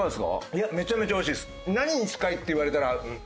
いやめちゃめちゃおいしいです。